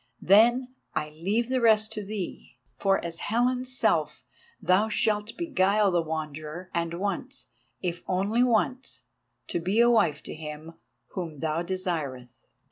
Then I leave the rest to thee, for as Helen's self thou shalt beguile the Wanderer, and once, if once only, be a wife to him whom thou desireth.